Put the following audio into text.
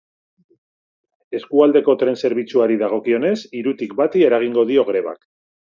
Eskualdeko tren zerbitzuari dagokionez, hirutik bati eragingo dio grebak.